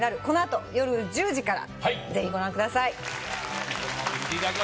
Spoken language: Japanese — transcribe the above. このあと夜１０時から是非ご覧ください